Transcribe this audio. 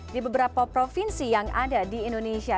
di beberapa provinsi yang ada di indonesia